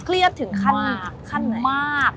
เครียดถึงขั้นมาก